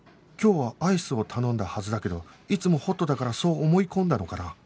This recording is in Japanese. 今日はアイスを頼んだはずだけどいつもホットだからそう思い込んだのかな？